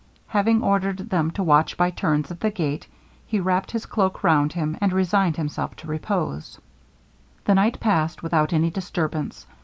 Having ordered them to watch by turns at the gate, he wrapt his cloak round him, and resigned himself to repose. The night passed without any disturbance.